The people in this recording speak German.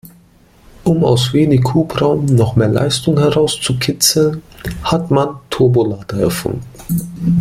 Um aus wenig Hubraum noch mehr Leistung herauszukitzeln, hat man Turbolader erfunden.